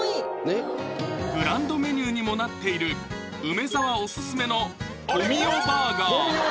ねっグランドメニューにもなっている梅沢オススメの富美男バーガー？